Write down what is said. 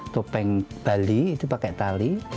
topeng bali itu pakai tali